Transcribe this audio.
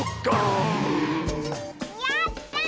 やった！